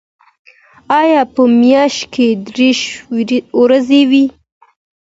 آیا په میاشت کې دېرش ورځې وي؟